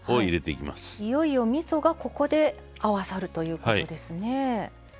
いよいよみそがここで合わさるということですね。